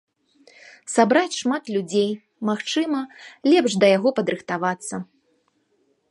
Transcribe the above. Сабраць шмат людзей, магчыма, лепш да яго падрыхтавацца.